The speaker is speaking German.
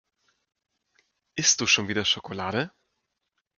Isst du schon wieder Schokolade?